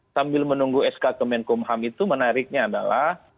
sambil menunggu sk kemenkum ham itu menariknya adalah